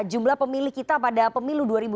jumlah pemilih kita pada pemilu dua ribu dua puluh